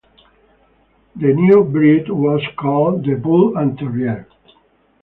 The new breed was called the Bull and Terrier.